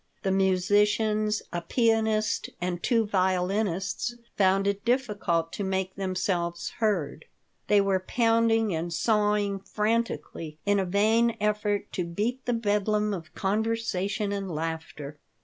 The musicians a pianist and two violinists found it difficult to make themselves heard. They were pounding and sawing frantically in a vain effort to beat the bedlam of conversation and laughter.